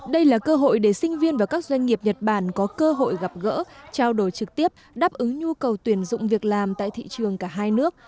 đây là cơ hội để sinh viên và các doanh nghiệp nhật bản có cơ hội gặp gỡ trao đổi trực tiếp đáp ứng nhu cầu tuyển dụng việc làm tại thị trường cả hai nước